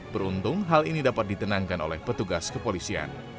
beruntung hal ini dapat ditenangkan oleh petugas kepolisian